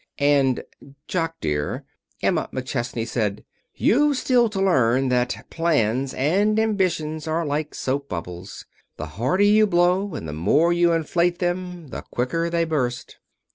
'" And, "Jock dear," Emma McChesney said, "you've still to learn that plans and ambitions are like soap bubbles. The harder you blow and the more you inflate them, the quicker they burst.